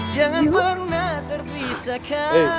jangan pernah terpisahkan